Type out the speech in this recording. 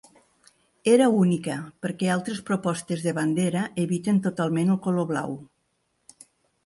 Era única, perquè altres propostes de bandera eviten totalment el color blau.